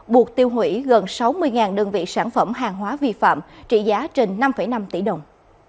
buộc tiêu hủy gần sáu mươi đơn vị sản phẩm hàng hóa vi phạm trị giá trên năm năm tỷ đồng